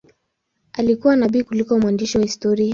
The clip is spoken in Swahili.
Alikuwa nabii kuliko mwandishi wa historia.